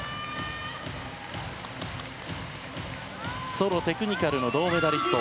ソロテクニカルの銅メダリスト。